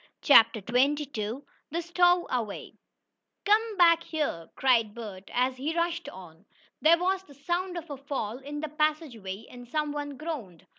CHAPTER XXII THE STOWAWAY "Come back here!" cried Bert, as he rushed on. There was the sound of a fall in the passageway, and some one groaned.